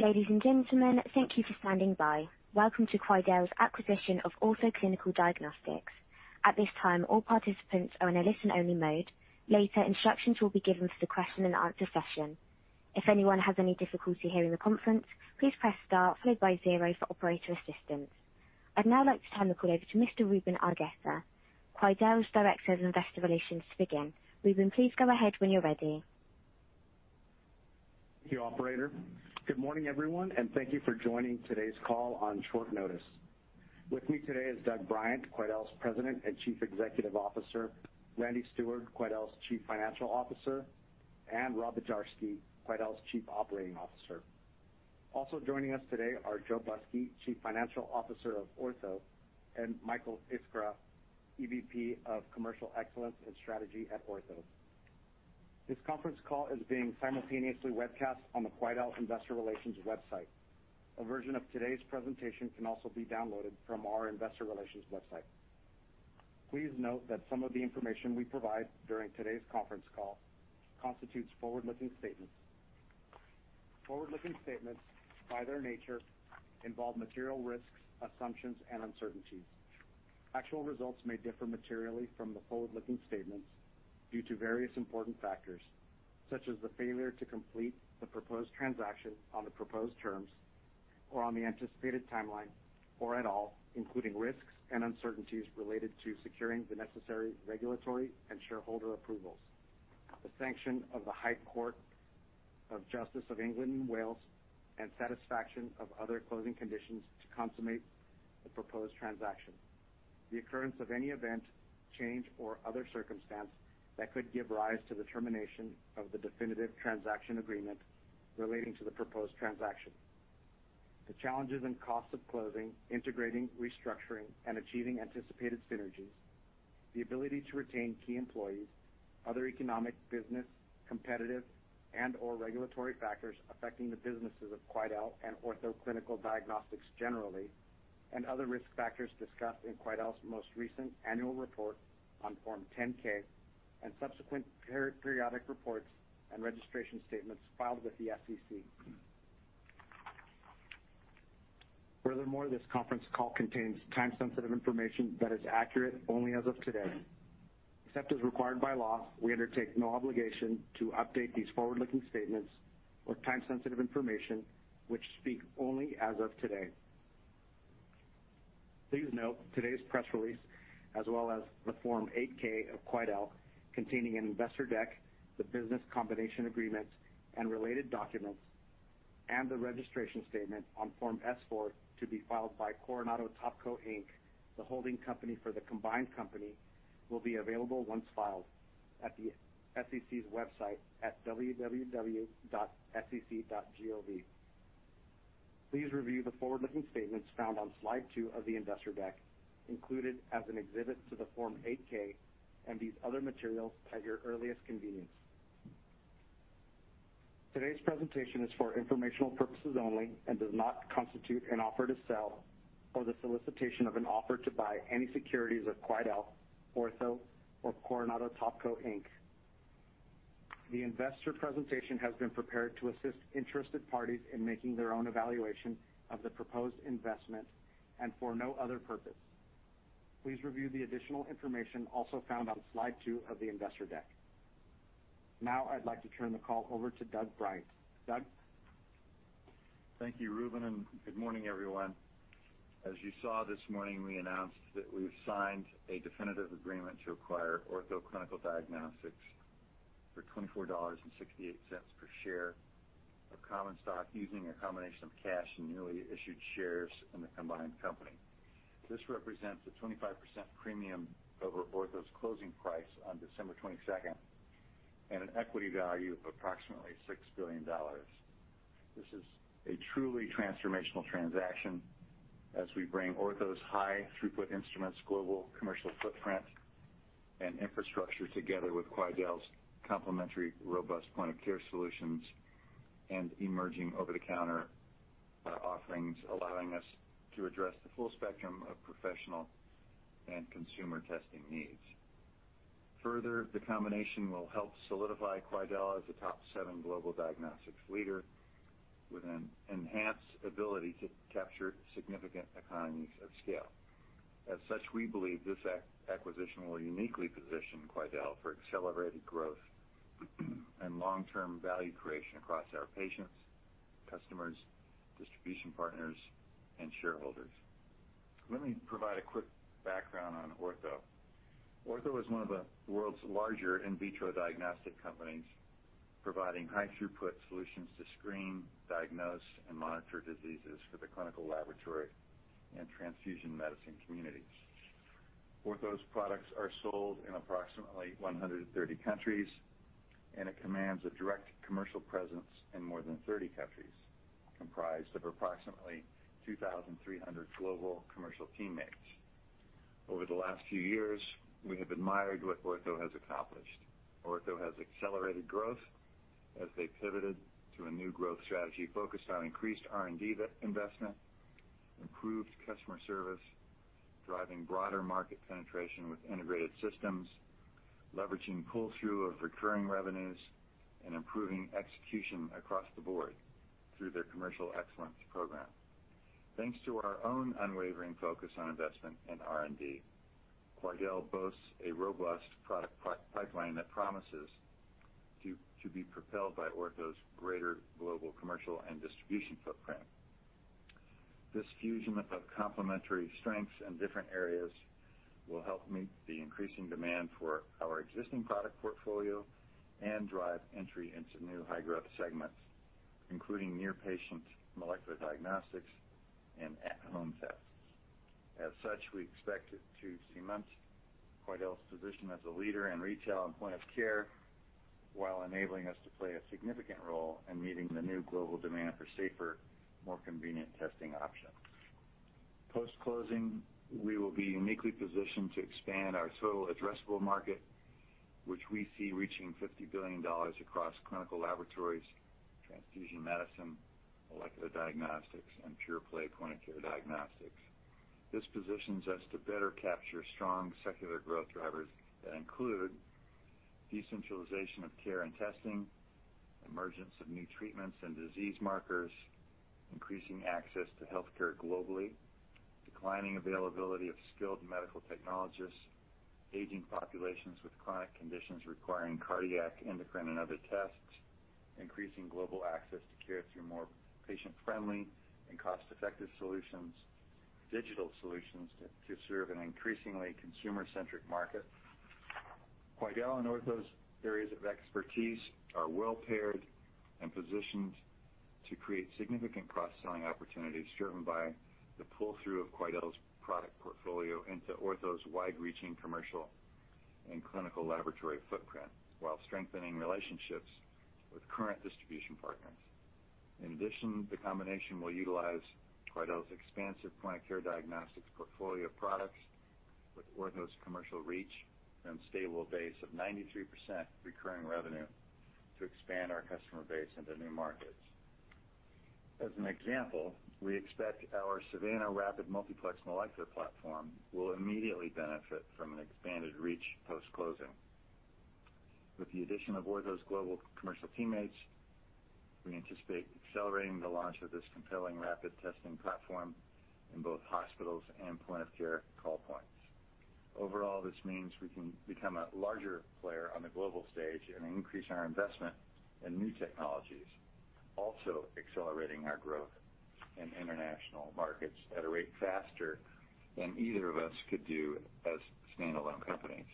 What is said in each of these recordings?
Ladies and gentlemen, thank you for standing by. Welcome to Quidel's acquisition of Ortho Clinical Diagnostics. At this time, all participants are in a listen-only mode. Later, instructions will be given for the question and answer session. If anyone has any difficulty hearing the conference, please press Star followed by zero for operator assistance. I'd now like to turn the call over to Mr. Ruben Argueta, Quidel's Director of Investor Relations, to begin. Ruben, please go ahead when you're ready. Thank you, operator. Good morning, everyone, and thank you for joining today's call on short notice. With me today is Doug Bryant, Quidel's President and Chief Executive Officer, Randy Steward, Quidel's Chief Financial Officer, and Rob Bujarski, Quidel's Chief Operating Officer. Also joining us today are Joe Busky, Chief Financial Officer of Ortho, and Michael Iskra, EVP of Commercial Excellence and Strategy at Ortho. This conference call is being simultaneously webcast on the Quidel investor relations website. A version of today's presentation can also be downloaded from our investor relations website. Please note that some of the information we provide during today's conference call constitutes forward-looking statements. Forward-looking statements, by their nature, involve material risks, assumptions, and uncertainties. Actual results may differ materially from the forward-looking statements due to various important factors, such as the failure to complete the proposed transaction on the proposed terms or on the anticipated timeline or at all, including risks and uncertainties related to securing the necessary regulatory and shareholder approvals, the sanction of the High Court of Justice of England and Wales and satisfaction of other closing conditions to consummate the proposed transaction, the occurrence of any event, change, or other circumstance that could give rise to the termination of the definitive transaction agreement relating to the proposed transaction, the challenges and costs of closing, integrating, restructuring, and achieving anticipated synergies. The ability to retain key employees, other economic, business, competitive and/or regulatory factors affecting the businesses of Quidel and Ortho Clinical Diagnostics generally, and other risk factors discussed in Quidel's most recent annual report on Form 10-K and subsequent periodic reports and registration statements filed with the SEC. Furthermore, this conference call contains time-sensitive information that is accurate only as of today. Except as required by law, we undertake no obligation to update these forward-looking statements or time-sensitive information, which speak only as of today. Please note today's press release, as well as the Form 8-K of Quidel containing an investor deck, the business combination agreements and related documents, and the registration statement on Form S-4 to be filed by Coronado Topco, Inc., the holding company for the combined company, will be available once filed at the SEC's website at www.sec.gov. Please review the forward-looking statements found on slide two of the investor deck included as an exhibit to the Form 8-K and these other materials at your earliest convenience. Today's presentation is for informational purposes only and does not constitute an offer to sell or the solicitation of an offer to buy any securities of Quidel, Ortho, or Coronado Topco, Inc. The investor presentation has been prepared to assist interested parties in making their own evaluation of the proposed investment and for no other purpose. Please review the additional information also found on slide two of the investor deck. Now, I'd like to turn the call over to Doug Bryant. Doug? Thank you, Ruben, and good morning, everyone. As you saw this morning, we announced that we've signed a definitive agreement to acquire Ortho Clinical Diagnostics for $24.68 per share of common stock using a combination of cash and newly issued shares in the combined company. This represents a 25% premium over Ortho's closing price on December 22 and an equity value of approximately $6 billion. This is a truly transformational transaction as we bring Ortho's high throughput instruments, global commercial footprint, and infrastructure together with Quidel's complementary robust point-of-care solutions and emerging over-the-counter offerings, allowing us to address the full spectrum of professional and consumer testing needs. Further, the combination will help solidify Quidel as a top seven global diagnostics leader with an enhanced ability to capture significant economies of scale. As such, we believe this acquisition will uniquely position Quidel for accelerated growth and long-term value creation across our patients, customers, distribution partners, and shareholders. Let me provide a quick background on Ortho. Ortho is one of the world's larger in vitro diagnostic companies providing high throughput solutions to screen, diagnose, and monitor diseases for the clinical laboratory and transfusion medicine communities. Ortho's products are sold in approximately 130 countries, and it commands a direct commercial presence in more than 30 countries, comprised of approximately 2,300 global commercial teammates. Over the last few years, we have admired what Ortho has accomplished. Ortho has accelerated growth as they pivoted to a new growth strategy focused on increased R&D investment, improved customer service, driving broader market penetration with integrated systems, leveraging pull-through of recurring revenues and improving execution across the board through their commercial excellence program. Thanks to our own unwavering focus on investment in R&D, Quidel boasts a robust product pipeline that promises to be propelled by Ortho's greater global commercial and distribution footprint. This fusion of complementary strengths in different areas will help meet the increasing demand for our existing product portfolio and drive entry into new high-growth segments, including near-patient molecular diagnostics and at-home tests. As such, we expect it to cement Quidel's position as a leader in retail and point-of-care, while enabling us to play a significant role in meeting the new global demand for safer, more convenient testing options. Post-closing, we will be uniquely positioned to expand our total addressable market, which we see reaching $50 billion across clinical laboratories, transfusion medicine, molecular diagnostics, and pure play point-of-care diagnostics. This positions us to better capture strong secular growth drivers that include decentralization of care and testing, emergence of new treatments and disease markers, increasing access to healthcare globally, declining availability of skilled medical technologists, aging populations with chronic conditions requiring cardiac, endocrine, and other tests, increasing global access to care through more patient-friendly and cost-effective solutions, digital solutions to serve an increasingly consumer-centric market. Quidel and Ortho's areas of expertise are well paired and positioned to create significant cross-selling opportunities driven by the pull-through of Quidel's product portfolio into Ortho's wide-reaching commercial and clinical laboratory footprint, while strengthening relationships with current distribution partners. In addition, the combination will utilize Quidel's expansive point-of-care diagnostics portfolio of products with Ortho's commercial reach and stable base of 93% recurring revenue to expand our customer base into new markets. As an example, we expect our Savanna rapid multiplex molecular platform will immediately benefit from an expanded reach post-closing. With the addition of Ortho's global commercial teammates, we anticipate accelerating the launch of this compelling rapid testing platform in both hospitals and point-of-care call points. Overall, this means we can become a larger player on the global stage and increase our investment in new technologies, also accelerating our growth in international markets at a rate faster than either of us could do as standalone companies.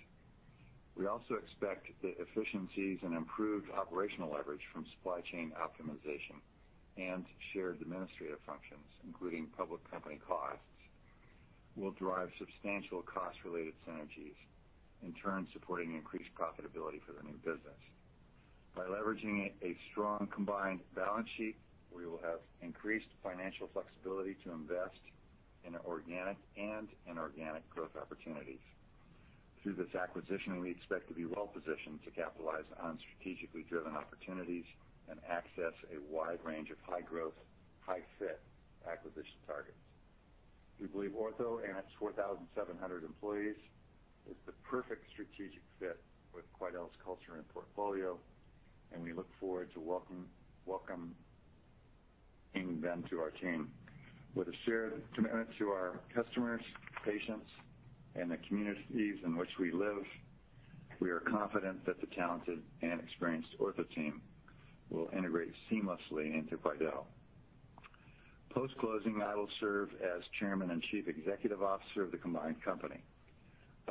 We also expect that efficiencies and improved operational leverage from supply chain optimization and shared administrative functions, including public company costs, will drive substantial cost-related synergies, in turn supporting increased profitability for the new business. By leveraging a strong combined balance sheet, we will have increased financial flexibility to invest in organic and inorganic growth opportunities. Through this acquisition, we expect to be well positioned to capitalize on strategically driven opportunities and access a wide range of high-growth, high-fit acquisition targets. We believe Ortho and its 4,700 employees is the perfect strategic fit with Quidel's culture and portfolio, and we look forward to welcoming them to our team. With a shared commitment to our customers, patients, and the communities in which we live, we are confident that the talented and experienced Ortho team will integrate seamlessly into Quidel. Post-closing, I will serve as Chairman and Chief Executive Officer of the combined company.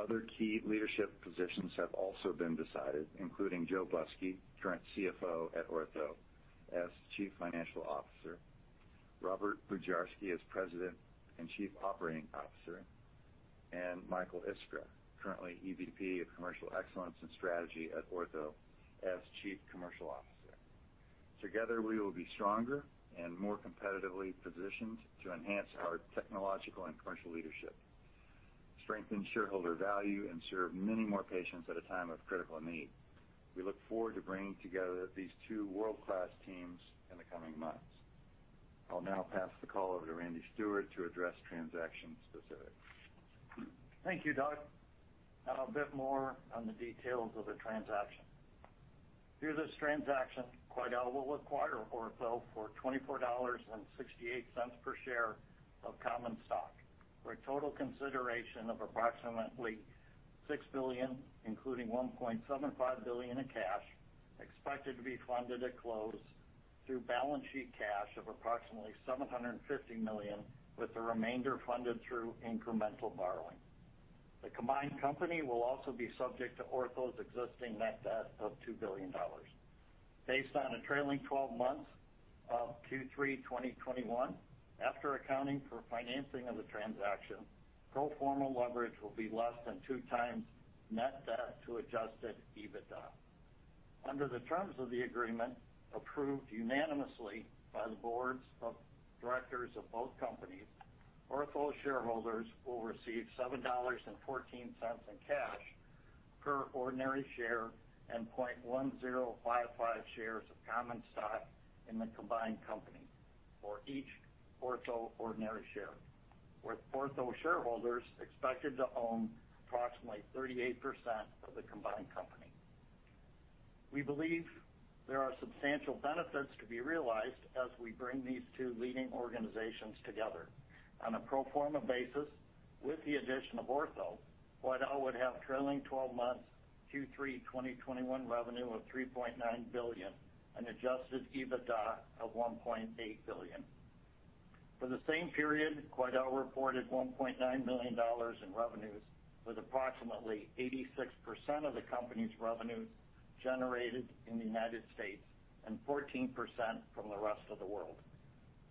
Other key leadership positions have also been decided, including Joe Busky, current CFO at Ortho, as Chief Financial Officer, Robert Bujarski as President and Chief Operating Officer, and Michael Iskra, currently EVP of Commercial Excellence and Strategy at Ortho, as Chief Commercial Officer. Together, we will be stronger and more competitively positioned to enhance our technological and commercial leadership, strengthen shareholder value, and serve many more patients at a time of critical need. We look forward to bringing together these two world-class teams in the coming months. I'll now pass the call over to Randy Steward to address transaction specifics. Thank you, Doug. Now a bit more on the details of the transaction. Through this transaction, Quidel will acquire Ortho for $24.68 per share of common stock, for a total consideration of approximately $6 billion, including $1.75 billion in cash, expected to be funded at close through balance sheet cash of approximately $750 million, with the remainder funded through incremental borrowing. The combined company will also be subject to Ortho's existing net debt of $2 billion. Based on a trailing twelve months of Q3 2021, after accounting for financing of the transaction, pro forma leverage will be less than 2x net debt to adjusted EBITDA. Under the terms of the agreement, approved unanimously by the boards of directors of both companies, Ortho shareholders will receive $7.14 in cash per ordinary share and 0.1055 shares of common stock in the combined company for each Ortho ordinary share. With Ortho shareholders expected to own approximately 38% of the combined company. We believe there are substantial benefits to be realized as we bring these two leading organizations together. On a pro forma basis, with the addition of Ortho, Quidel would have trailing twelve months 2Q 2021 revenue of $3.9 billion and adjusted EBITDA of $1.8 billion. For the same period, Quidel reported $1.9 billion in revenues, with approximately 86% of the company's revenues generated in the United States and 14% from the rest of the world.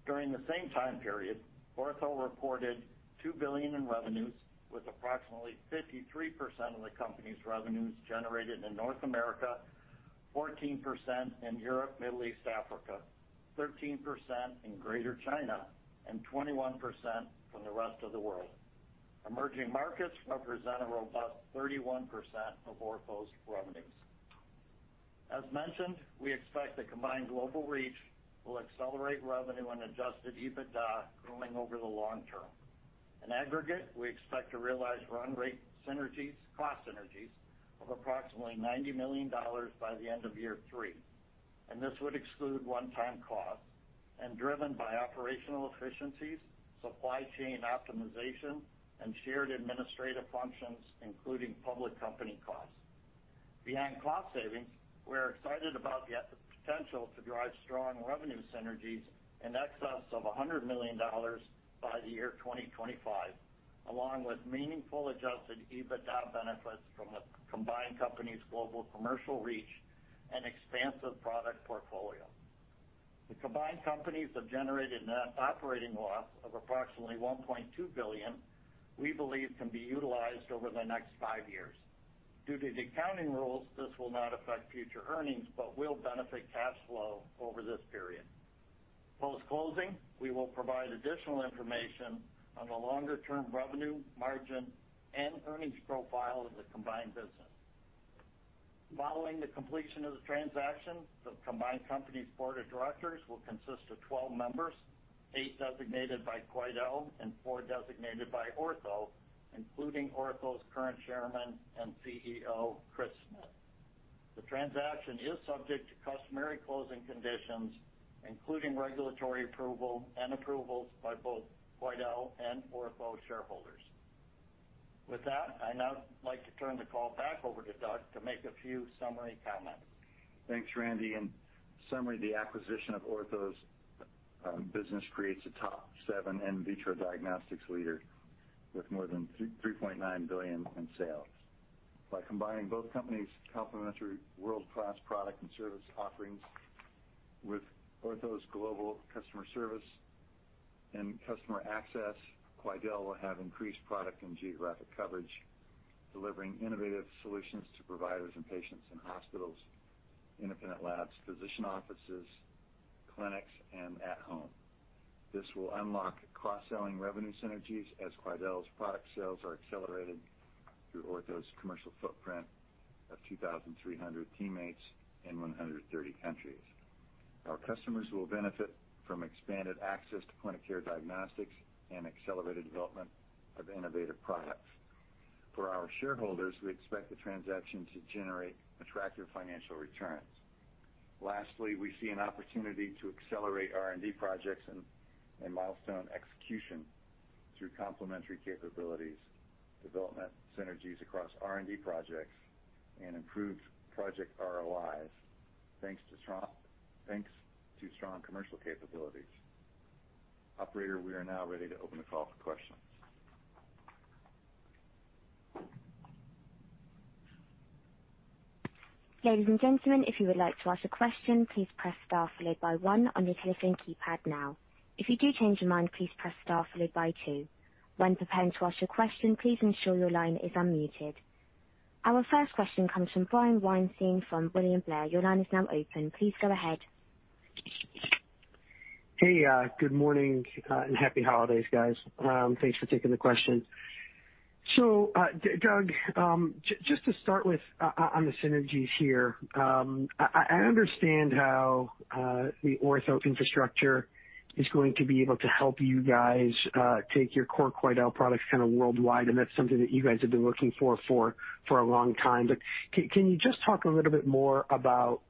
During the same time period, Ortho reported $2 billion in revenues, with approximately 53% of the company's revenues generated in North America, 14% in Europe, Middle East, Africa, 13% in Greater China, and 21% from the rest of the world. Emerging markets represent a robust 31% of Ortho's revenues. As mentioned, we expect the combined global reach will accelerate revenue and adjusted EBITDA growing over the long term. In aggregate, we expect to realize run rate synergies, cost synergies of approximately $90 million by the end of year three, and this would exclude one-time costs and driven by operational efficiencies, supply chain optimization, and shared administrative functions, including public company costs. Beyond cost savings, we're excited about the potential to drive strong revenue synergies in excess of $100 million by the year 2025, along with meaningful adjusted EBITDA benefits from the combined company's global commercial reach and expansive product portfolio. The combined companies have generated net operating loss of approximately $1.2 billion, we believe can be utilized over the next five years. Due to the accounting rules, this will not affect future earnings but will benefit cash flow over this period. Post-closing, we will provide additional information on the longer-term revenue, margin, and earnings profile of the combined business. Following the completion of the transaction, the combined company's board of directors will consist of 12 members, eight designated by Quidel and four designated by Ortho, including Ortho's current Chairman and CEO, Chris Smith. The transaction is subject to customary closing conditions, including regulatory approval and approvals by both Quidel and Ortho shareholders. With that, I now like to turn the call back over to Doug to make a few summary comments. Thanks, Randy. In summary, the acquisition of Ortho's business creates a top seven in vitro diagnostics leader with more than $3.9 billion in sales. By combining both companies' complementary world-class product and service offerings with Ortho's global customer service and customer access, Quidel will have increased product and geographic coverage, delivering innovative solutions to providers and patients in hospitals, independent labs, physician offices, clinics, and at home. This will unlock cross-selling revenue synergies as Quidel's product sales are accelerated through Ortho's commercial footprint of 2,300 teammates in 130 countries. Our customers will benefit from expanded access to point-of-care diagnostics and accelerated development of innovative products. For our shareholders, we expect the transaction to generate attractive financial returns. Lastly, we see an opportunity to accelerate R&D projects and milestone execution through complementary capabilities, development synergies across R&D projects, and improved project ROIs, thanks to strong commercial capabilities. Operator, we are now ready to open the call for questions. Ladies and gentlemen, if you would like to ask a question, please press star followed by one on your telephone keypad now. If you do change your mind, please press star followed by two. When preparing to ask your question, please ensure your line is unmuted. Our first question comes from Brian Weinstein from William Blair. Your line is now open. Please go ahead. Hey, good morning, and happy holidays, guys. Thanks for taking the question. Doug, just to start with on the synergies here, I understand how the Ortho infrastructure is going to be able to help you guys take your core Quidel products kinda worldwide, and that's something that you guys have been looking for for a long time. Can you just talk a little bit more about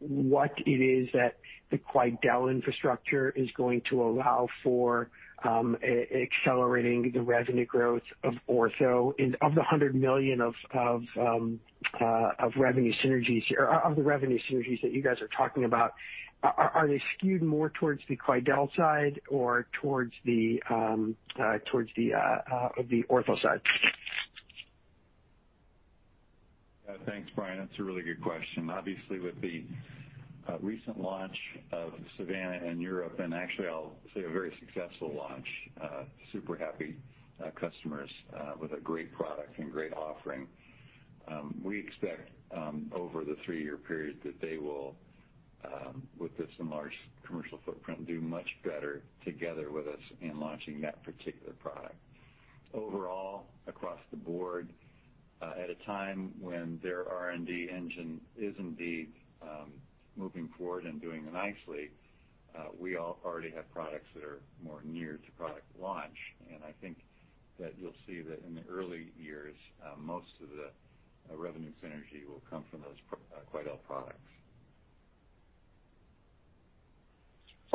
what it is that the Quidel infrastructure is going to allow for accelerating the revenue growth of Ortho? Of the $100 million of revenue synergies here, of the revenue synergies that you guys are talking about, are they skewed more towards the Quidel side or towards the Ortho side? Thanks, Brian. That's a really good question. Obviously, with the recent launch of Savanna in Europe, and actually I'll say a very successful launch, super happy customers with a great product and great offering, we expect over the three-year period that they will with this enlarged commercial footprint do much better together with us in launching that particular product. Overall, across the board, at a time when their R&D engine is indeed moving forward and doing nicely, we all already have products that are more near to product launch. I think that you'll see that in the early years, most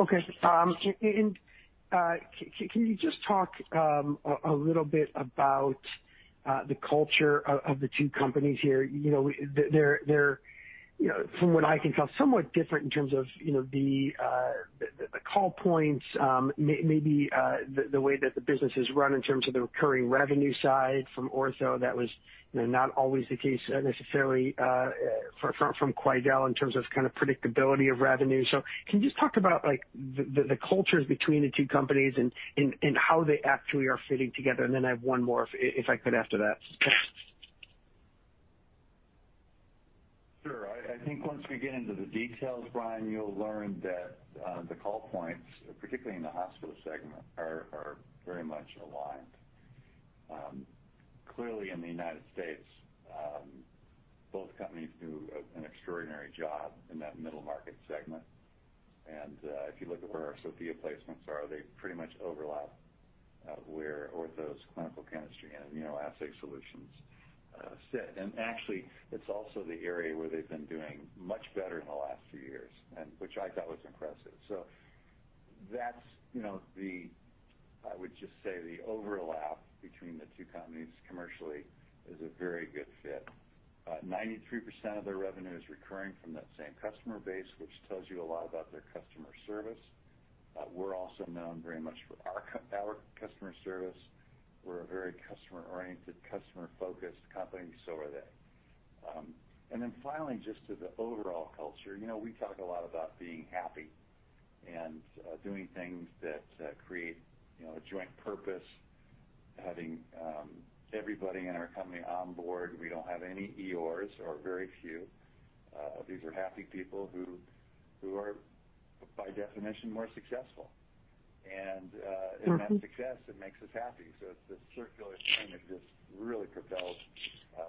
of the revenue synergy will come from those Quidel products. Okay. Can you just talk a little bit about the culture of the two companies here? They're from what I can tell somewhat different in terms of the call points, the way that the business is run in terms of the recurring revenue side from Ortho. That was not always the case necessarily from Quidel in terms of kind of predictability of revenue. Can you just talk about the cultures between the two companies and how they actually are fitting together? I have one more, if I could after that. Sure. I think once we get into the details, Brian, you'll learn that the call points, particularly in the hospital segment, are very much aligned. Clearly in the United States, both companies do an extraordinary job in that middle market segment. If you look at where our Sofia placements are, they pretty much overlap where Ortho's clinical chemistry and immunoassay solutions sit. Actually, it's also the area where they've been doing much better in the last few years, and which I thought was impressive. That's, you know, I would just say the overlap between the two companies commercially is a very good fit. 93% of their revenue is recurring from that same customer base, which tells you a lot about their customer service. We're also known very much for our customer service. We're a very customer-oriented, customer-focused company, so are they. Finally, just to the overall culture. You know, we talk a lot about being happy and doing things that create, you know, a joint purpose, having everybody in our company on board. We don't have any EORs or very few. These are happy people who are, by definition, more successful. Mm-hmm. That success, it makes us happy. It's this circular thing that just really propels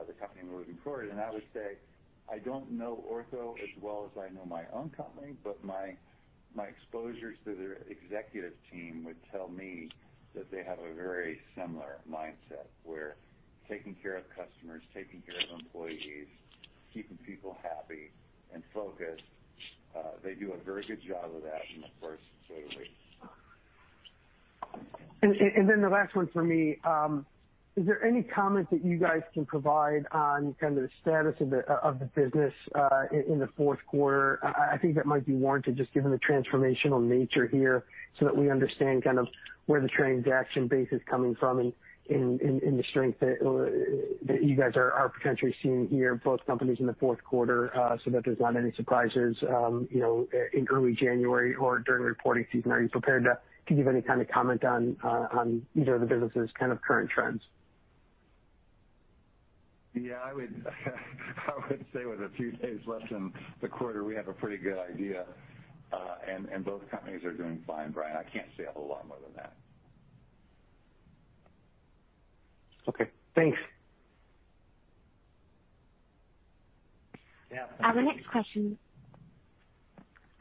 the company moving forward. I would say, I don't know Ortho as well as I know my own company, but my exposures to their executive team would tell me that they have a very similar mindset, where taking care of customers, taking care of employees, keeping people happy and focused, they do a very good job of that in the first quarter. The last one for me, is there any comment that you guys can provide on kind of the status of the business in the fourth quarter? I think that might be warranted just given the transformational nature here, so that we understand kind of where the transaction base is coming from and the strength that you guys are potentially seeing here, both companies in the fourth quarter, so that there's not any surprises, you know, in early January or during reporting season. Are you prepared to give any kind of comment on either of the businesses' kind of current trends? Yeah, I would say with a few days left in the quarter, we have a pretty good idea, and both companies are doing fine, Brian. I can't say a whole lot more than that. Okay, thanks. Yeah. Our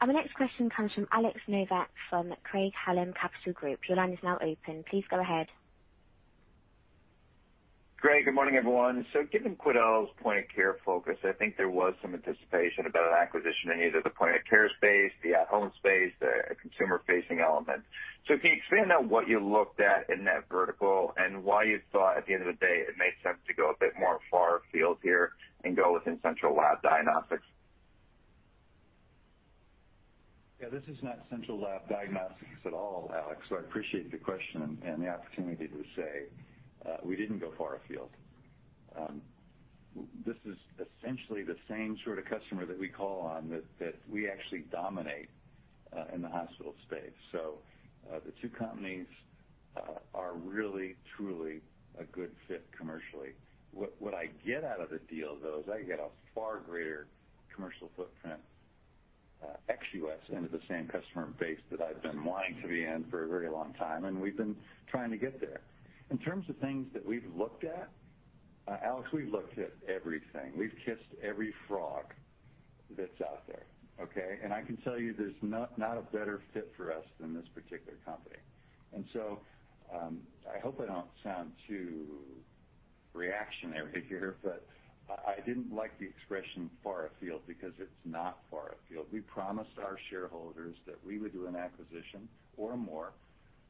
next question comes from Alex Nowak from Craig-Hallum Capital Group. Your line is now open. Please go ahead. Great, good morning, everyone. Given Quidel's point of care focus, I think there was some anticipation about an acquisition in either the point of care space, the at-home space, the consumer-facing element. Can you expand on what you looked at in that vertical and why you thought at the end of the day, it made sense to go a bit more far afield here and go within central lab diagnostics? Yeah, this is not central lab diagnostics at all, Alex, so I appreciate the question and the opportunity to say we didn't go far afield. This is essentially the same sort of customer that we call on that we actually dominate in the hospital space. The two companies are really, truly a good fit commercially. What I get out of the deal, though, is I get a far greater commercial footprint ex-U.S. into the same customer base that I've been wanting to be in for a very long time, and we've been trying to get there. In terms of things that we've looked at, Alex, we've looked at everything. We've kissed every frog that's out there, okay? I can tell you there's not a better fit for us than this particular company. I hope I don't sound too reactionary here, but I didn't like the expression far afield because it's not far afield. We promised our shareholders that we would do an acquisition or more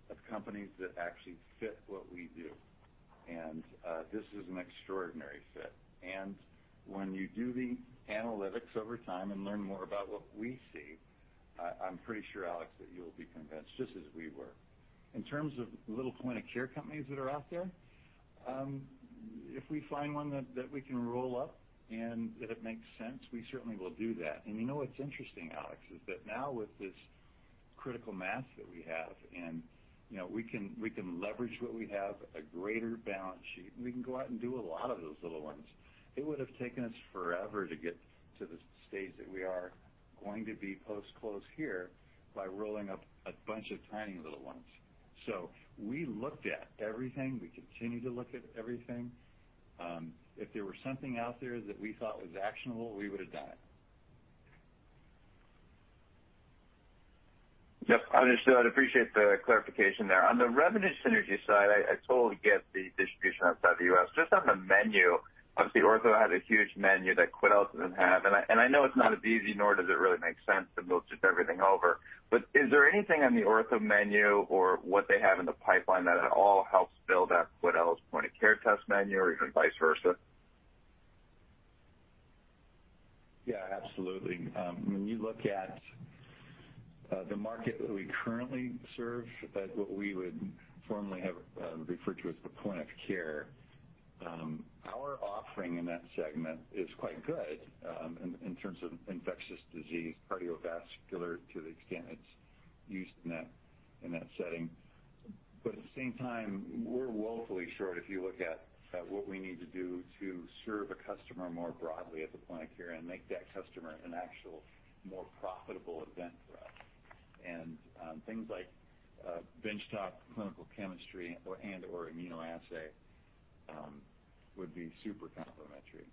of companies that actually fit what we do. This is an extraordinary fit. When you do the analytics over time and learn more about what we see, I'm pretty sure, Alex, that you'll be convinced, just as we were. In terms of little point-of-care companies that are out there, if we find one that we can roll up and that it makes sense, we certainly will do that. You know what's interesting, Alex, is that now with this critical mass that we have, and, you know, we can leverage what we have, a greater balance sheet, and we can go out and do a lot of those little ones. It would have taken us forever to get to the stage that we are going to be post-close here by rolling up a bunch of tiny little ones. We looked at everything. We continue to look at everything. If there were something out there that we thought was actionable, we would have done it. Yep. Understood. I appreciate the clarification there. On the revenue synergy side, I totally get the distribution outside the U.S. Just on the menu, obviously, Ortho has a huge menu that Quidel doesn't have, and I know it's not as easy, nor does it really make sense to move just everything over. But is there anything on the Ortho menu or what they have in the pipeline that at all helps build up Quidel's point-of-care test menu or even vice versa? Yeah, absolutely. When you look at the market that we currently serve, that what we would formerly have referred to as the point of care, our offering in that segment is quite good, in terms of infectious disease, cardiovascular, to the extent it's used in that setting. But at the same time, we're woefully short if you look at what we need to do to serve a customer more broadly at the point of care and make that customer an actual more profitable event for us. Things like benchtop clinical chemistry or and/or immunoassay would be super complementary.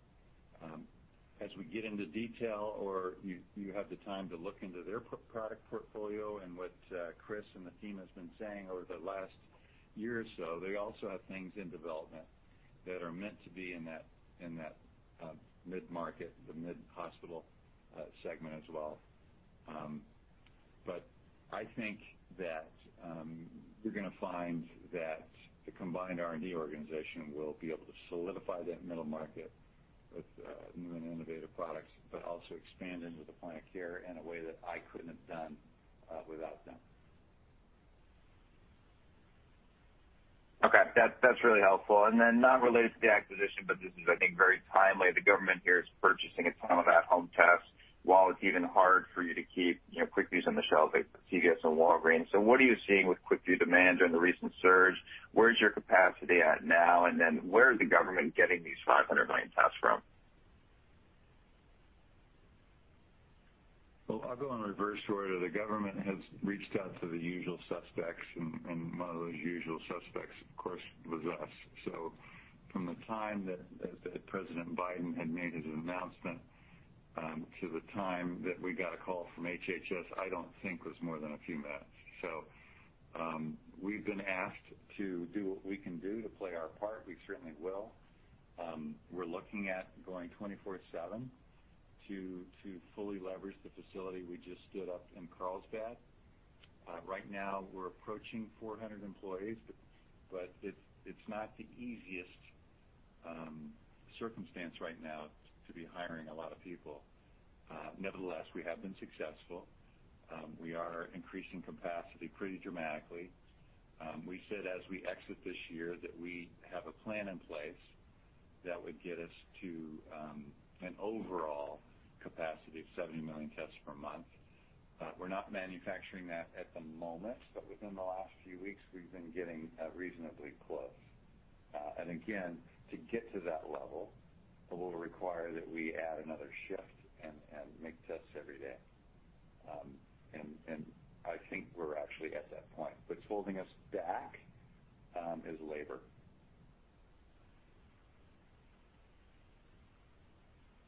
As we get into detail or you have the time to look into their product portfolio and what Chris and the team has been saying over the last year or so, they also have things in development that are meant to be in that mid-market, the mid-hospital segment as well. But I think that you're gonna find that the combined R&D organization will be able to solidify that middle market with new and innovative products, but also expand into the point-of-care in a way that I couldn't have done without them. Okay. That's really helpful. Not related to the acquisition, but this is I think very timely. The government here is purchasing a ton of at-home tests while it's even hard for you to keep, you know, QuickVue on the shelf at CVS and Walgreens. What are you seeing with QuickVue demand during the recent surge? Where's your capacity at now? Where is the government getting these 500 million tests from? Well, I'll go in reverse order. The government has reached out to the usual suspects, and one of those usual suspects, of course, was us. From the time that President Biden had made his announcement to the time that we got a call from HHS, I don't think was more than a few minutes. We've been asked to do what we can do to play our part. We certainly will. We're looking at going 24/7 to fully leverage the facility we just stood up in Carlsbad. Right now we're approaching 400 employees, but it's not the easiest circumstance right now to be hiring a lot of people. Nevertheless, we have been successful. We are increasing capacity pretty dramatically. We said as we exit this year that we have a plan in place that would get us to an overall capacity of 70 million tests per month. We're not manufacturing that at the moment, but within the last few weeks, we've been getting reasonably close. Again, to get to that level, it will require that we add another shift and make tests every day. I think we're actually at that point. What's holding us back is labor.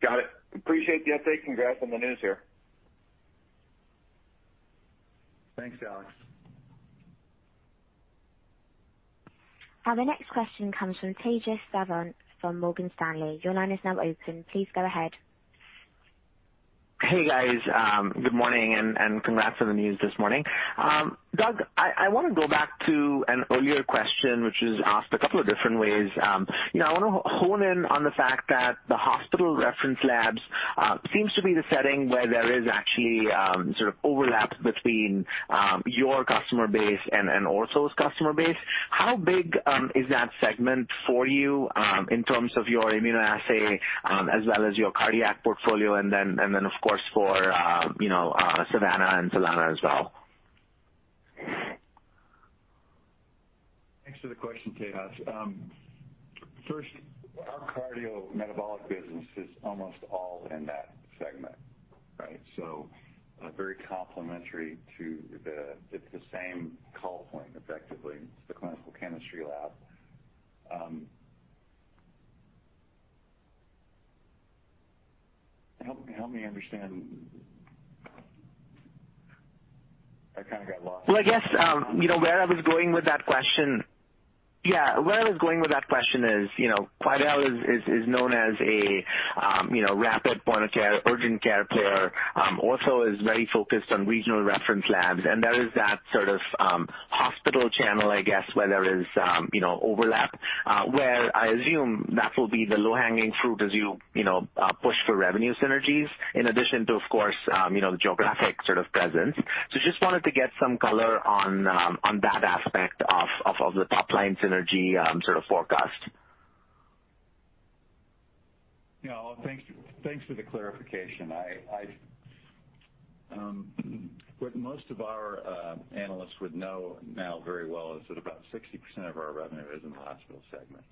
Got it. Appreciate the update. Congrats on the news here. Thanks, Alex. The next question comes from Tejas Savant from Morgan Stanley. Your line is now open. Please go ahead. Hey, guys. Good morning and congrats on the news this morning. Doug, I want to go back to an earlier question, which was asked a couple of different ways. You know, I want to hone in on the fact that the hospital reference labs seems to be the setting where there is actually sort of overlap between your customer base and Ortho's customer base. How big is that segment for you in terms of your immunoassay as well as your cardiac portfolio? And then, of course, for you know, Savanna and Solana as well. Thanks for the question, Tejas. First, our cardiometabolic business is almost all in that segment, right? Very complementary to the, it's the same call point, effectively. It's the clinical chemistry lab. Help me understand. I kinda got lost. Yeah, where I was going with that question is, you know, Quidel is known as a, you know, rapid point-of-care, urgent care player. Ortho is very focused on regional reference labs, and there is that sort of hospital channel, I guess, where there is, you know, overlap, where I assume that will be the low-hanging fruit as you know push for revenue synergies in addition to, of course, you know, the geographic sort of presence. Just wanted to get some color on that aspect of the top-line synergy, sort of forecast. Yeah. Well, thank you. Thanks for the clarification. What most of our analysts would know now very well is that about 60% of our revenue is in the hospital segment.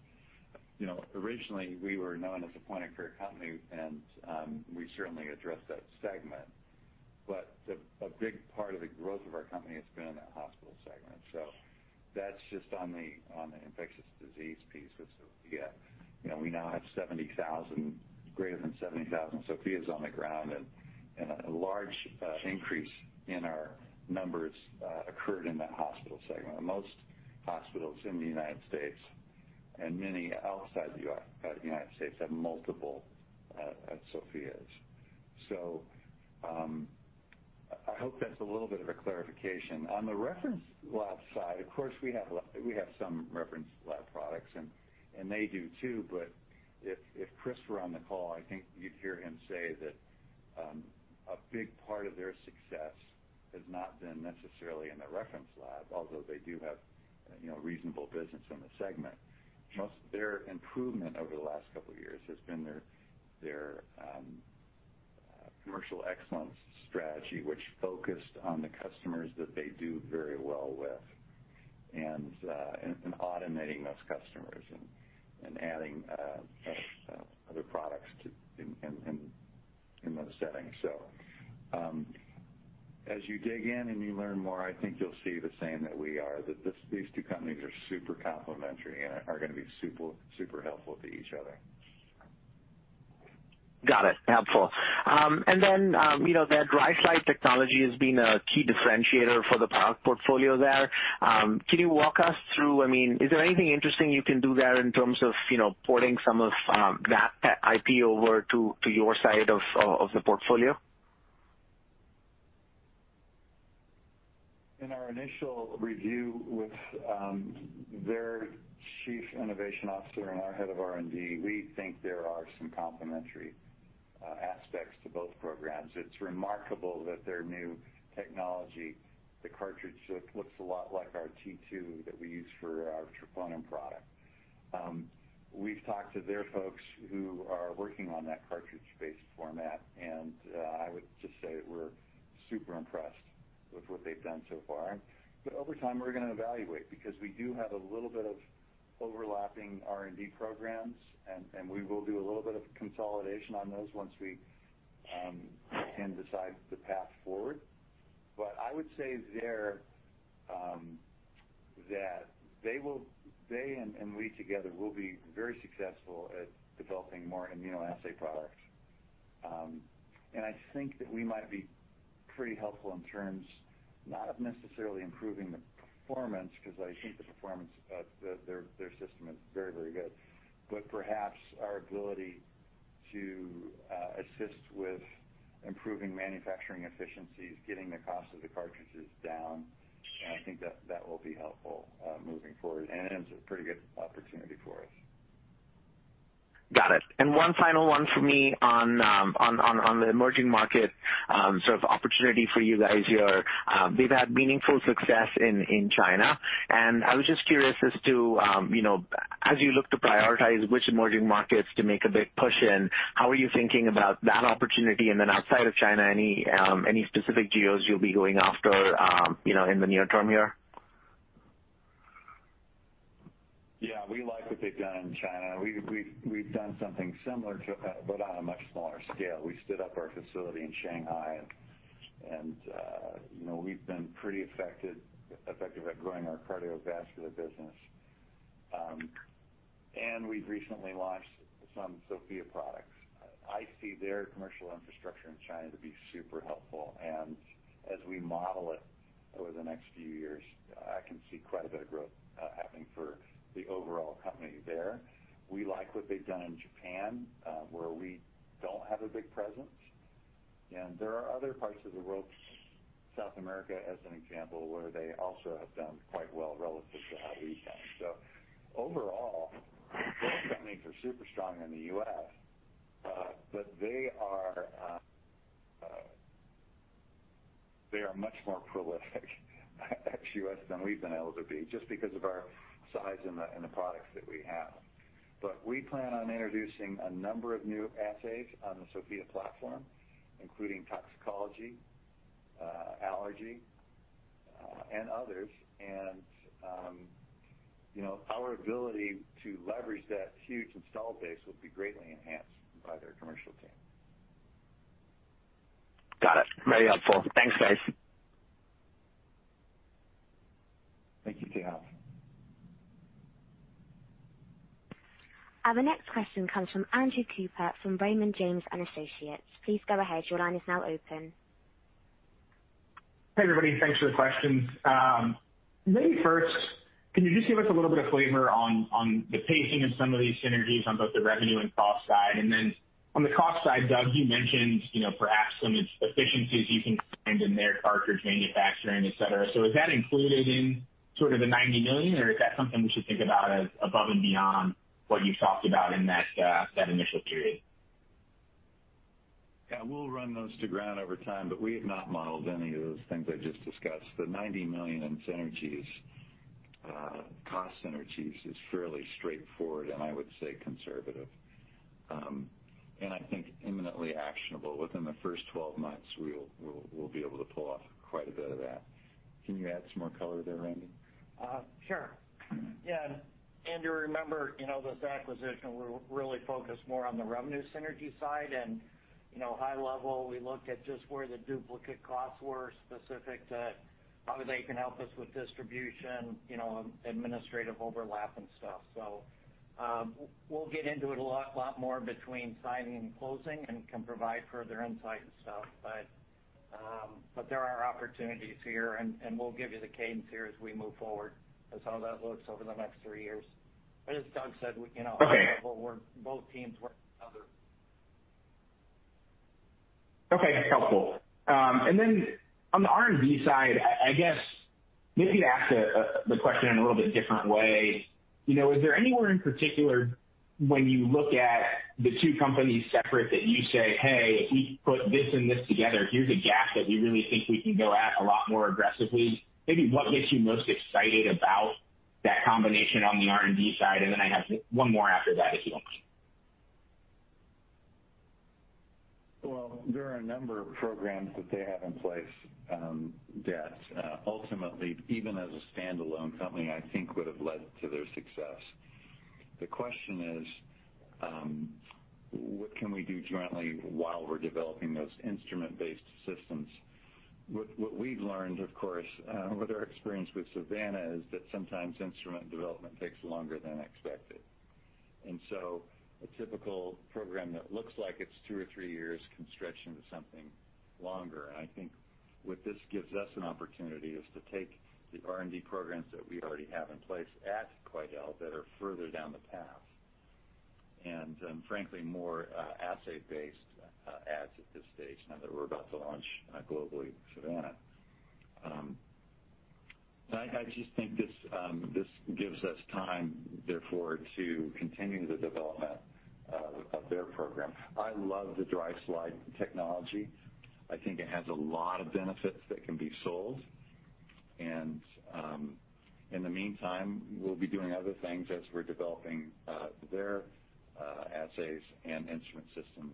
You know, originally, we were known as a point-of-care company, and we certainly address that segment. A big part of the growth of our company has been in that hospital segment. That's just on the infectious disease piece with Sofia. You know, we now have greater than 70,000 Sofias on the ground, and a large increase in our numbers occurred in that hospital segment. Most hospitals in the United States and many outside the United States have multiple Sofias. I hope that's a little bit of a clarification. On the reference lab side, of course, we have some reference lab products and they do too, but if Chris were on the call, I think you'd hear him say that a big part of their success has not been necessarily in the reference lab, although they do have you know reasonable business in the segment. Most of their improvement over the last couple of years has been their commercial excellence strategy, which focused on the customers that they do very well with and automating those customers and adding other products in those settings. As you dig in and you learn more, I think you'll see the same that we are, that these two companies are super complementary and are gonna be super helpful to each other. Got it. Helpful. You know, their dry slide technology has been a key differentiator for the product portfolio there. I mean, is there anything interesting you can do there in terms of, you know, porting some of that IP over to your side of the portfolio? In our initial review with their chief innovation officer and our head of R&D, we think there are some complementary aspects to both programs. It's remarkable that their new technology, the cartridge looks a lot like our T2 that we use for our Treponema product. We've talked to their folks who are working on that cartridge-based format, and I would just say we're super impressed with what they've done so far. Over time, we're gonna evaluate because we do have a little bit of overlapping R&D programs, and we will do a little bit of consolidation on those once we can decide the path forward. I would say there that they and we together will be very successful at developing more immunoassay products. I think that we might be pretty helpful in terms not of necessarily improving the performance, 'cause I think the performance of their system is very, very good. Perhaps our ability to assist with improving manufacturing efficiencies, getting the cost of the cartridges down, and I think that will be helpful moving forward, and it's a pretty good opportunity for us. Got it. One final one for me on the emerging market, sort of opportunity for you guys here. They've had meaningful success in China. I was just curious as to, you know, as you look to prioritize which emerging markets to make a big push in, how are you thinking about that opportunity? Outside of China, any specific geos you'll be going after, you know, in the near term here? Yeah. We like what they've done in China. We've done something similar too, but on a much smaller scale. We stood up our facility in Shanghai and, you know, we've been pretty effective at growing our cardiovascular business. We've recently launched some Sofia products. I see their commercial infrastructure in China to be super helpful. As we model it over the next few years, I can see quite a bit of growth happening for the overall company there. We like what they've done in Japan, where we don't have a big presence. There are other parts of the world, South America as an example, where they also have done quite well relative to how we've done. Overall, both companies are super strong in the U.S., but they are much more prolific ex-U.S. than we've been able to be just because of our size and the products that we have. We plan on introducing a number of new assays on the Sofia platform, including toxicology, allergy, and others. You know, our ability to leverage that huge installed base will be greatly enhanced by their commercial team. Got it. Very helpful. Thanks, guys. Thank you, Tejas. Our next question comes from Andrew Cooper from Raymond James & Associates. Please go ahead. Your line is now open. Hey, everybody. Thanks for the questions. Maybe first, can you just give us a little bit of flavor on the pacing of some of these synergies on both the revenue and cost side? And then on the cost side, Doug, you mentioned, you know, perhaps some efficiencies you can find in their cartridge manufacturing, et cetera. Is that included in sort of the $90 million, or is that something we should think about as above and beyond what you talked about in that initial period? Yeah, we'll run those to ground over time, but we have not modeled any of those things I just discussed. The $90 million in synergies, cost synergies is fairly straightforward and I would say conservative, and I think imminently actionable. Within the first 12 months, we'll be able to pull off quite a bit of that. Can you add some more color there, Randy? Sure. Yeah. To remember, you know, this acquisition will really focus more on the revenue synergy side and, you know, high level, we looked at just where the duplicate costs were specific to how they can help us with distribution, you know, administrative overlap and stuff. We'll get into it a lot more between signing and closing and can provide further insight and stuff. There are opportunities here, and we'll give you the cadence here as we move forward as how that looks over the next three years. As Doug said, we, you know- Okay. -both teams work with each other. Okay, helpful. On the R&D side, I guess maybe to ask the question in a little bit different way, you know, is there anywhere in particular when you look at the two companies separate that you say, "Hey, if we put this and this together, here's a gap that we really think we can go at a lot more aggressively." Maybe what gets you most excited about that combination on the R&D side? Then I have one more after that, if you don't mind. Well, there are a number of programs that they have in place, that, ultimately, even as a standalone company, I think would have led to their success. The question is, what can we do jointly while we're developing those instrument-based systems? What we've learned, of course, with our experience with Savanna is that sometimes instrument development takes longer than expected. A typical program that looks like it's two or three years can stretch into something longer. I think what this gives us an opportunity is to take the R&D programs that we already have in place at Quidel that are further down the path and, frankly, more assay-based adds at this stage now that we're about to launch, globally Savanna. I just think this gives us time, therefore, to continue the development of their program. I love the dry slide technology. I think it has a lot of benefits that can be sold. In the meantime, we'll be doing other things as we're developing their assays and instrument systems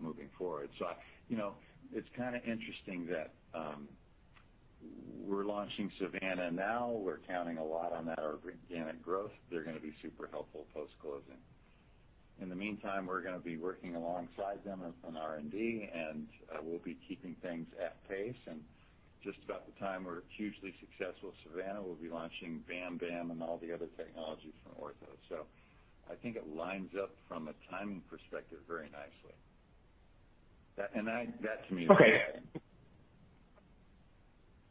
moving forward. You know, it's kinda interesting that we're launching Savanna now. We're counting a lot on that organic growth. They're gonna be super helpful post-closing. In the meantime, we're gonna be working alongside them on R&D, and we'll be keeping things at pace. Just about the time we're hugely successful with Savanna, we'll be launching VITROS and all the other technologies from Ortho. I think it lines up from a timing perspective very nicely. That to me is Okay.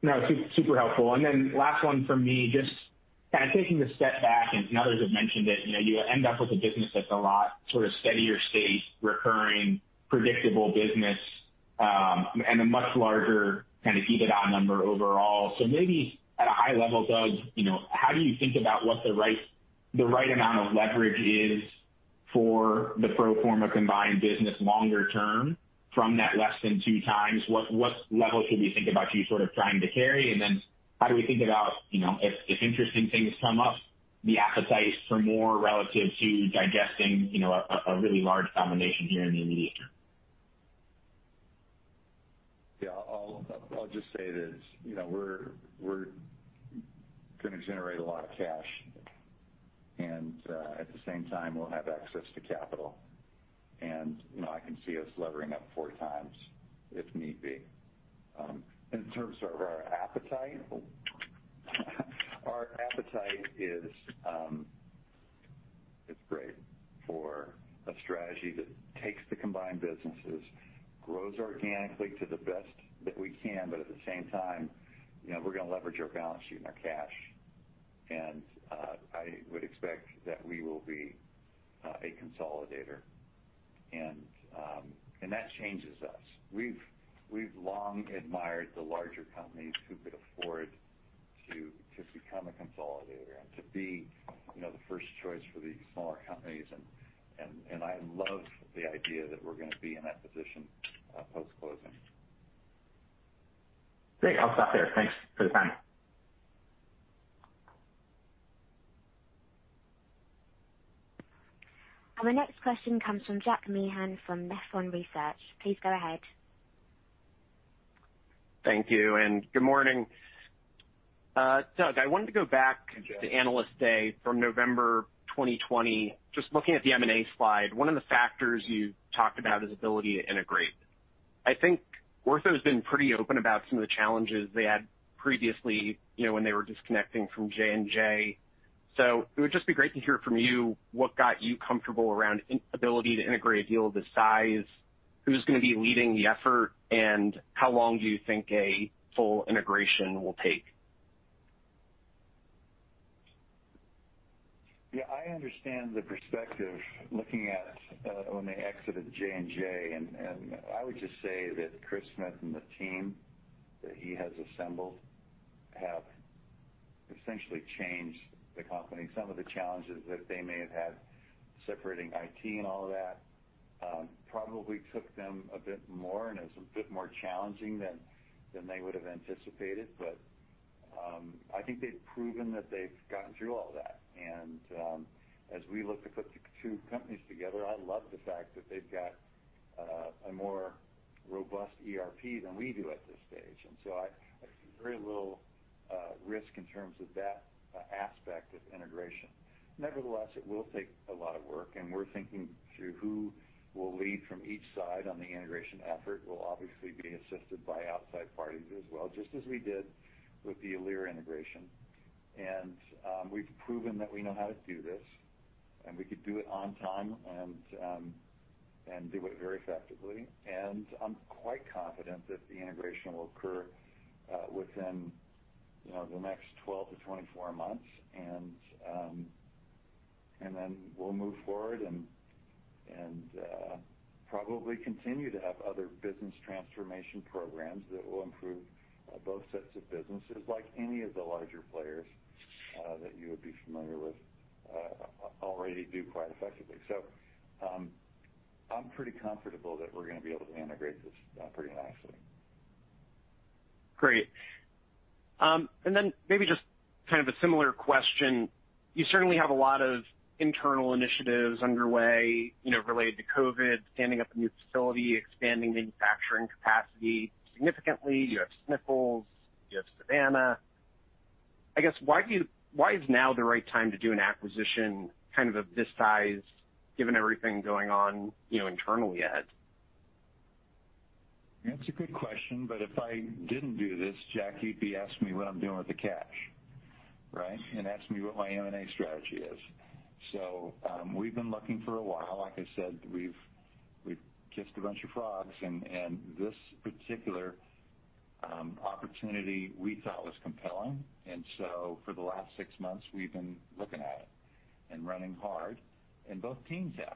No, super helpful. Last one from me, just kinda taking a step back, and others have mentioned it, you know, you end up with a business that's a lot sort of steadier state, recurring, predictable business, and a much larger kind of EBITDA number overall. Maybe at a high level, Doug, you know, how do you think about what the right amount of leverage is for the pro forma combined business longer term from that less than 2x? What level should we think about you sort of trying to carry? How do we think about, you know, if interesting things come up, the appetite for more relative to digesting, you know, a really large combination here in the immediate term? Yeah. I'll just say this, you know, we're gonna generate a lot of cash, and at the same time, we'll have access to capital. You know, I can see us levering up four times if need be. In terms of our appetite, our appetite is great for a strategy that takes the combined businesses, grows organically to the best that we can, but at the same time, you know, we're gonna leverage our balance sheet and our cash. I would expect that we will be a consolidator, and that changes us. We've long admired the larger companies who could afford to become a consolidator and to be, you know, the first choice for these smaller companies. I love the idea that we're gonna be in that position post-closing. Great. I'll stop there. Thanks for the time. Our next question comes from Jack Meehan from Nephron Research. Please go ahead. Thank you, and good morning. Doug, I wanted to go back- Hi, Jack. Back to Analyst Day from November 2020, just looking at the M&A slide. One of the factors you talked about is ability to integrate. I think Ortho's been pretty open about some of the challenges they had previously, you know, when they were disconnecting from J&J. It would just be great to hear from you what got you comfortable around ability to integrate a deal of this size? Who's gonna be leading the effort, and how long do you think a full integration will take? Yeah, I understand the perspective looking at when they exited J&J. I would just say that Chris Smith and the team that he has assembled have essentially changed the company. Some of the challenges that they may have had separating IT and all of that probably took them a bit more and is a bit more challenging than they would've anticipated. I think they've proven that they've gotten through all that. As we look to put the two companies together, I love the fact that they've got a more robust ERP than we do at this stage. I see very little risk in terms of that aspect of integration. Nevertheless, it will take a lot of work, and we're thinking through who will lead from each side on the integration effort. We'll obviously be assisted by outside parties as well, just as we did with the Alere integration. We've proven that we know how to do this, and we could do it on time and do it very effectively. I'm quite confident that the integration will occur within, you know, the next 12-24 months. We'll move forward and probably continue to have other business transformation programs that will improve both sets of businesses like any of the larger players that you would be familiar with already do quite effectively. I'm pretty comfortable that we're gonna be able to integrate this pretty nicely. Great. Maybe just kind of a similar question. You certainly have a lot of internal initiatives underway, you know, related to COVID, standing up a new facility, expanding manufacturing capacity significantly. You have Sofia, you have Savanna. I guess, why is now the right time to do an acquisition kind of this size, given everything going on, you know, internally at? That's a good question. If I didn't do this, Jack, you'd be asking me what I'm doing with the cash, right, asking me what my M&A strategy is. We've been looking for a while. Like I said, we've kissed a bunch of frogs, and this particular opportunity we thought was compelling. For the last six months, we've been looking at it and running hard, and both teams have.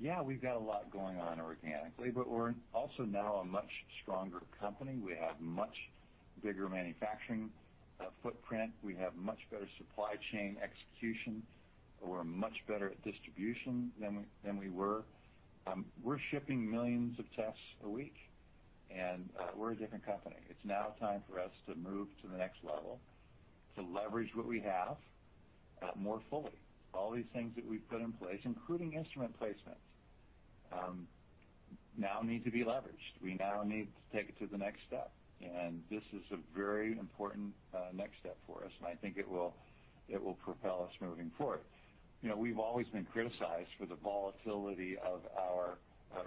Yeah, we've got a lot going on organically, but we're also now a much stronger company. We have much bigger manufacturing footprint. We have much better supply chain execution. We're much better at distribution than we were. We're shipping millions of tests a week, and we're a different company. It's now time for us to move to the next level, to leverage what we have more fully. All these things that we've put in place, including instrument placement, now need to be leveraged. We now need to take it to the next step. This is a very important next step for us, and I think it will propel us moving forward. You know, we've always been criticized for the volatility of our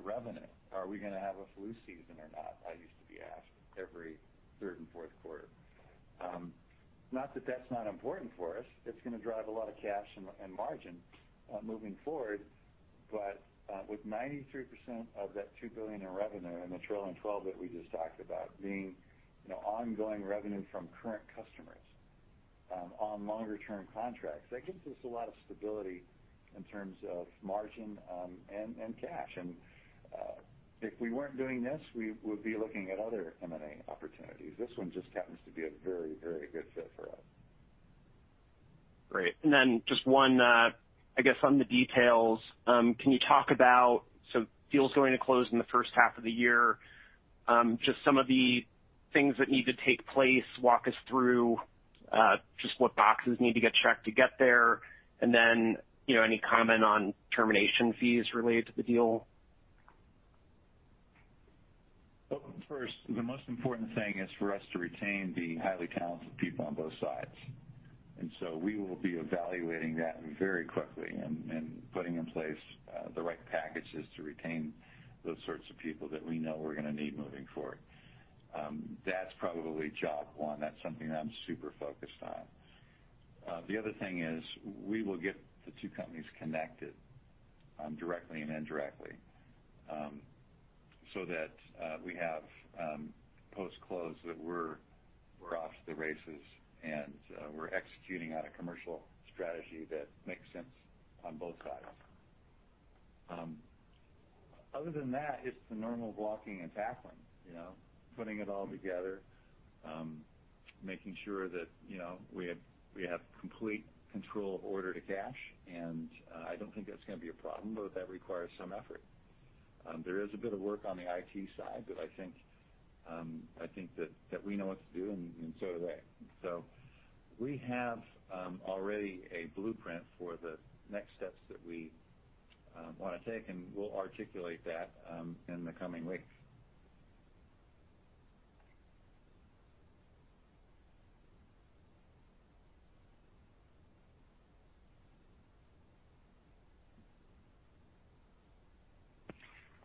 revenue. Are we gonna have a flu season or not? I used to be asked every third and fourth quarter. Not that that's not important for us. It's gonna drive a lot of cash and margin moving forward. With 93% of that $2 billion in revenue and the trailing twelve that we just talked about being, you know, ongoing revenue from current customers on longer-term contracts, that gives us a lot of stability in terms of margin and cash. If we weren't doing this, we would be looking at other M&A opportunities. This one just happens to be a very good fit for us. Great. Then just one, I guess on the details, can you talk about some deals going to close in the first half of the year? Just some of the things that need to take place. Walk us through, just what boxes need to get checked to get there. You know, any comment on termination fees related to the deal? Well, first, the most important thing is for us to retain the highly talented people on both sides. We will be evaluating that very quickly and putting in place the right packages to retain those sorts of people that we know we're gonna need moving forward. That's probably job one. That's something I'm super focused on. The other thing is we will get the two companies connected directly and indirectly so that we have post-close that we're off to the races, and we're executing on a commercial strategy that makes sense on both sides. Other than that, it's the normal blocking and tackling, you know, putting it all together, making sure that, you know, we have complete control of order to cash. I don't think that's gonna be a problem, but that requires some effort. There is a bit of work on the IT side that I think we know what to do and so do they. We have already a blueprint for the next steps that we wanna take, and we'll articulate that in the coming weeks.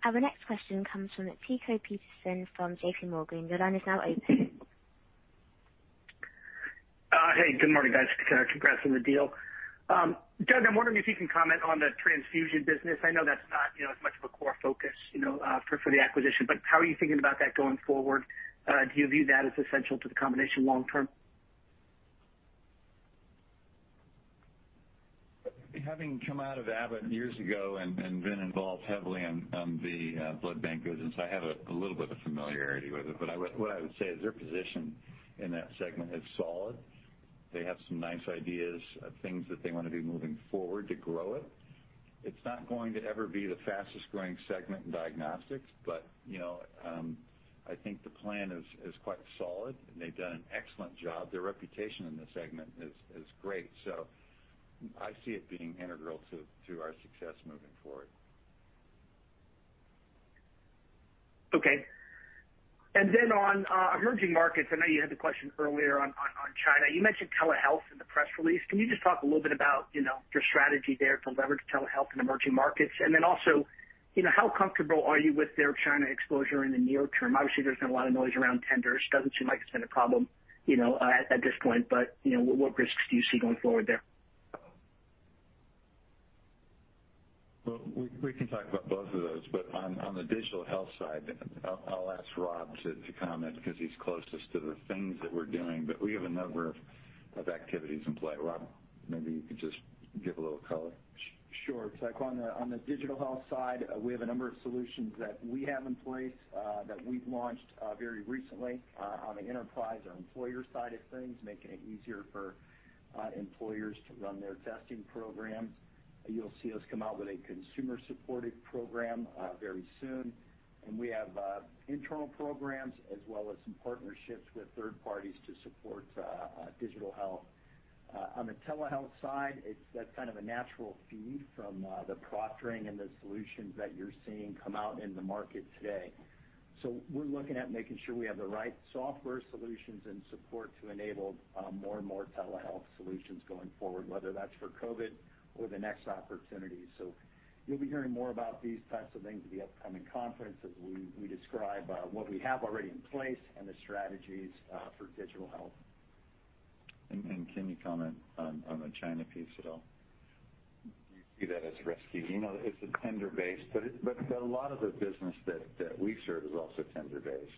Our next question comes from Tycho Peterson from JPMorgan. Your line is now open. Hey, good morning, guys. Congrats on the deal. Doug, I'm wondering if you can comment on the transfusion business. I know that's not, you know, as much of a core focus, you know, for the acquisition. How are you thinking about that going forward? Do you view that as essential to the combination long term? Having come out of Abbott years ago and been involved heavily in the blood bank business, I have a little bit of familiarity with it. What I would say is their position in that segment is solid. They have some nice ideas of things that they wanna be moving forward to grow it. It's not going to ever be the fastest-growing segment in diagnostics, but I think the plan is quite solid, and they've done an excellent job. Their reputation in this segment is great. I see it being integral to our success moving forward. Okay. On emerging markets, I know you had the question earlier on China. You mentioned telehealth in the press release. Can you just talk a little bit about, you know, your strategy there to leverage telehealth in emerging markets? How comfortable are you with their China exposure in the near term? Obviously, there's been a lot of noise around tenders. Doesn't seem like it's been a problem, you know, at this point, but, you know, what risks do you see going forward there? Well, we can talk about both of those, but on the digital health side, I'll ask Rob to comment 'cause he's closest to the things that we're doing. We have a number of activities in play. Rob, maybe you could just give a little color. Sure. Like, on the digital health side, we have a number of solutions that we have in place that we've launched very recently on the enterprise or employer side of things, making it easier for employers to run their testing programs. You'll see us come out with a consumer-supported program very soon. We have internal programs as well as some partnerships with third parties to support digital health. On the telehealth side, it's that kind of a natural feed from the proctoring and the solutions that you're seeing come out in the market today. We're looking at making sure we have the right software solutions and support to enable more and more telehealth solutions going forward, whether that's for COVID or the next opportunity. You'll be hearing more about these types of things at the upcoming conference as we describe what we have already in place and the strategies for digital health. Can you comment on the China piece at all? Do you see that as risky? You know, it's a tender base, but a lot of the business that we serve is also tender-based.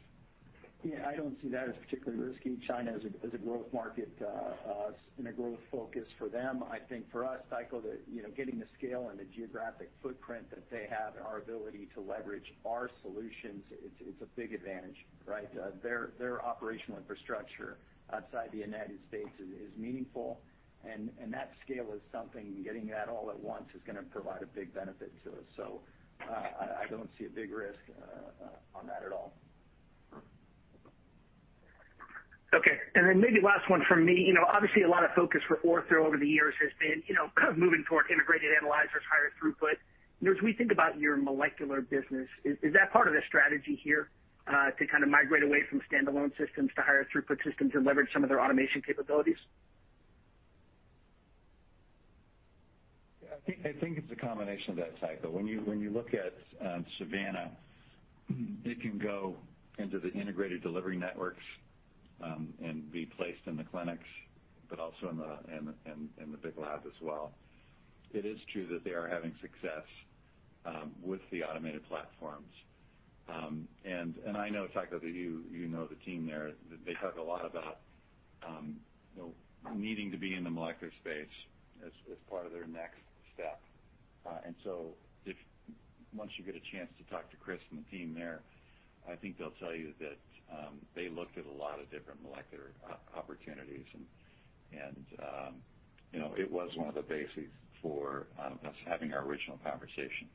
Yeah, I don't see that as particularly risky. China is a growth market and a growth focus for them. I think for us, Tycho, getting the scale and the geographic footprint that they have and our ability to leverage our solutions, it's a big advantage, right? Their operational infrastructure outside the United States is meaningful. That scale is something, getting that all at once is gonna provide a big benefit to us. I don't see a big risk on that at all. Okay. Maybe last one from me. You know, obviously, a lot of focus for Ortho over the years has been, you know, kind of moving towards integrated analyzers, higher throughput. You know, as we think about your molecular business, is that part of the strategy here, to kind of migrate away from standalone systems to higher throughput systems and leverage some of their automation capabilities? Yeah, I think it's a combination of that, Tycho. When you look at Savanna, it can go into the integrated delivery networks and be placed in the clinics, but also in the big lab as well. It is true that they are having success with the automated platforms. I know, Tycho, that you know the team there. They talk a lot about you know needing to be in the molecular space as part of their next step. Once you get a chance to talk to Chris and the team there, I think they'll tell you that they looked at a lot of different molecular opportunities. You know, it was one of the bases for us having our original conversation.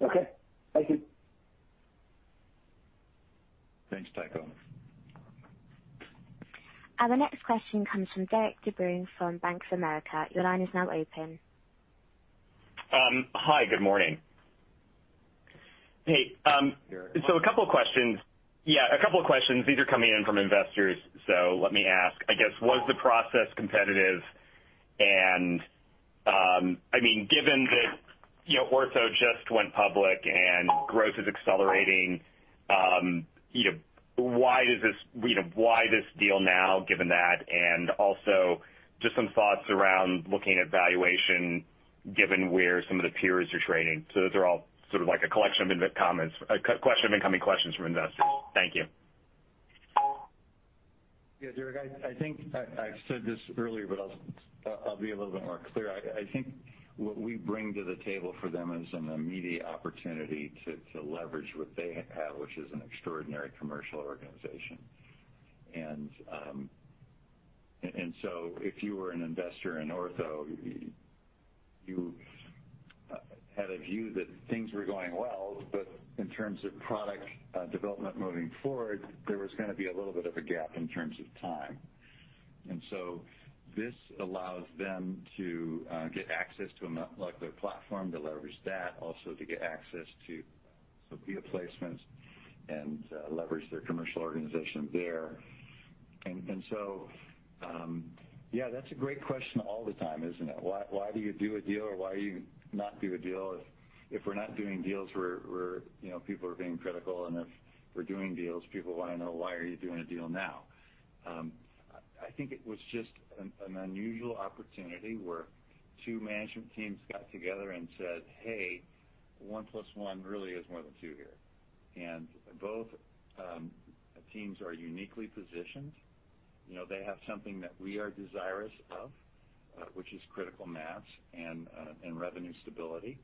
Okay. Thank you. Thanks, Tycho. Our next question comes from Derik De Bruin from Bank of America. Your line is now open. Hi, good morning. Hey, a couple of questions. These are coming in from investors, let me ask. I guess, was the process competitive? I mean, given that, you know, Ortho just went public and growth is accelerating, you know, why this deal now, given that? Also just some thoughts around looking at valuation, given where some of the peers are trading. Those are all sort of like a collection of incoming questions from investors. Thank you. Yeah, Derik, I think I said this earlier, but I'll be a little bit more clear. I think what we bring to the table for them is an immediate opportunity to leverage what they have, which is an extraordinary commercial organization. If you were an investor in Ortho, you had a view that things were going well, but in terms of product development moving forward, there was gonna be a little bit of a gap in terms of time. This allows them to get access to a molecular platform to leverage that, also to get access to some via placements and leverage their commercial organization there. Yeah, that's a great question all the time, isn't it? Why do you do a deal or why not do a deal? If we're not doing deals. You know, people are being critical. If we're doing deals, people wanna know why are you doing a deal now. I think it was just an unusual opportunity where two management teams got together and said, "Hey, one plus one really is more than two here." Both teams are uniquely positioned. You know, they have something that we are desirous of, which is critical mass and revenue stability.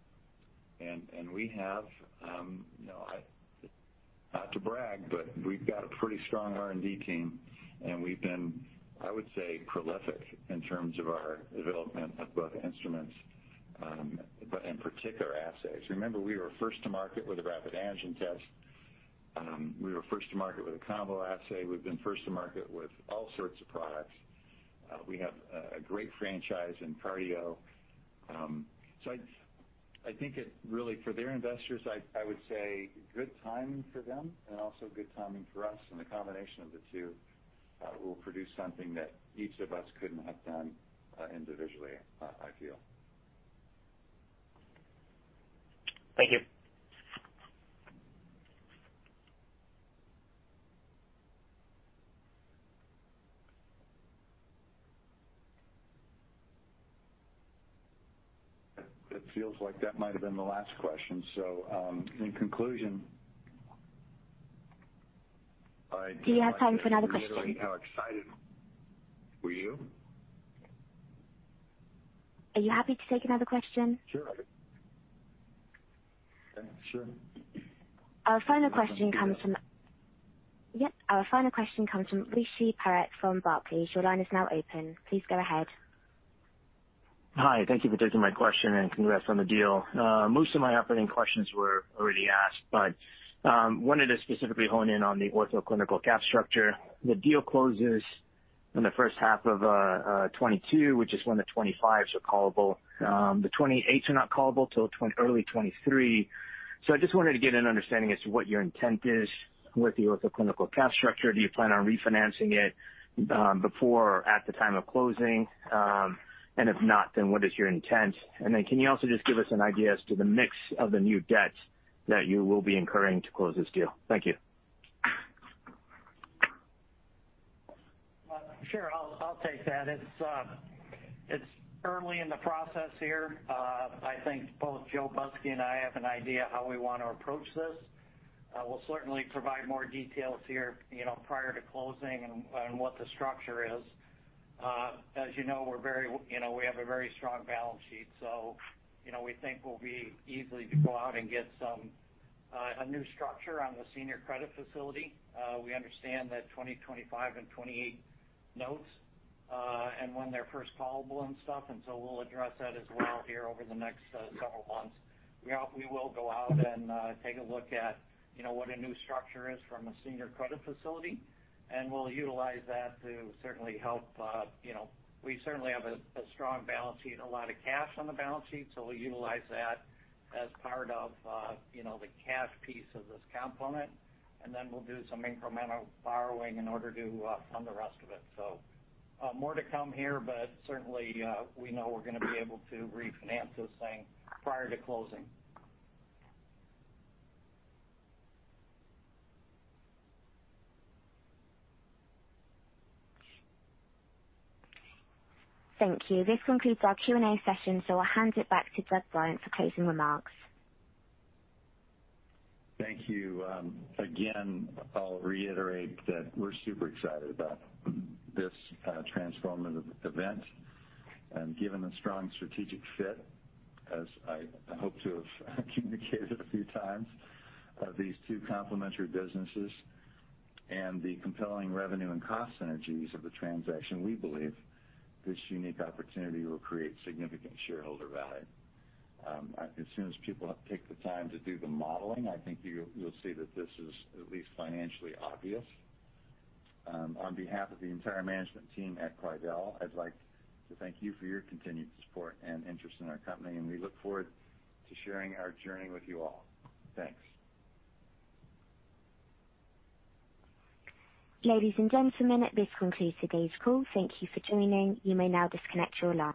We have, you know, not to brag, but we've got a pretty strong R&D team, and we've been, I would say, prolific in terms of our development of both instruments, but in particular, assays. Remember, we were first to market with a rapid antigen test. We were first to market with a combo assay. We've been first to market with all sorts of products. We have a great franchise in cardio. I think it's really for their investors, I would say good timing for them and also good timing for us. The combination of the two will produce something that each of us couldn't have done individually, I feel. Thank you. It feels like that might've been the last question. In conclusion, I- Do you have time for another question? How excited were you? Are you happy to take another question? Sure. Sure. Our final question comes from Rishi Parekh from Barclays. Your line is now open. Please go ahead. Hi. Thank you for taking my question, and congrats on the deal. Most of my operating questions were already asked, but wanted to specifically hone in on the Ortho Clinical capital structure. The deal closes in the first half of 2022, which is when the 25s are callable. The 28s are not callable till early 2023. I just wanted to get an understanding as to what your intent is with the Ortho Clinical capital structure. Do you plan on refinancing it, before or at the time of closing? And if not, then what is your intent? And then can you also just give us an idea as to the mix of the new debt that you will be incurring to close this deal? Thank you. Sure. I'll take that. It's early in the process here. I think both Joe Busky and I have an idea how we wanna approach this. We'll certainly provide more details here, you know, prior to closing on what the structure is. As you know, we're very, you know, we have a very strong balance sheet. You know, we think we'll be able to go out and get a new structure on the senior credit facility. We understand that 2025 Notes and 2028 Notes and when they're first callable and stuff, we'll address that as well here over the next several months. We will go out and take a look at, you know, what a new structure is from a senior credit facility, and we'll utilize that to certainly help, you know. We certainly have a strong balance sheet and a lot of cash on the balance sheet, so we'll utilize that as part of, you know, the cash piece of this component, and then we'll do some incremental borrowing in order to fund the rest of it. More to come here, but certainly we know we're gonna be able to refinance this thing prior to closing. Thank you. This concludes our Q&A session, so I'll hand it back to Doug Bryant for closing remarks. Thank you. Again, I'll reiterate that we're super excited about this transformative event. Given the strong strategic fit, as I hope to have communicated a few times, of these two complementary businesses and the compelling revenue and cost synergies of the transaction, we believe this unique opportunity will create significant shareholder value. As soon as people take the time to do the modeling, I think you'll see that this is at least financially obvious. On behalf of the entire management team at Quidel, I'd like to thank you for your continued support and interest in our company, and we look forward to sharing our journey with you all. Thanks. Ladies and gentlemen, this concludes today's call. Thank you for joining. You may now disconnect your line.